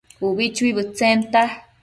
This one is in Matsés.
ubi chuibëdtsenta